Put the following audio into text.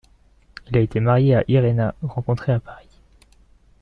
Il a été marié à Irena, rencontrée à Paris.